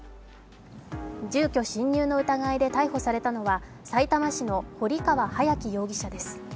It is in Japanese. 住居侵入の疑いで逮捕されたのはさいたま市の堀川隼貴容疑者です。